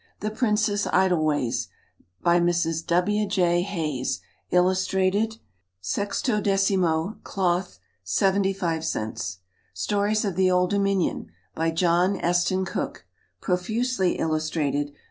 The Princess Idleways. By Mrs. W. J. HAYS. Illustrated. 16mo, Cloth, 75 cents. Stories of the Old Dominion. By JOHN ESTEN COOKE. Profusely Illustrated.